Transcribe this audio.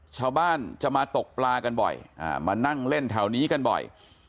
ชาวบ้านจะมาตกปลากันบ่อยมานั่งเล่นแถวนี้กันบ่อย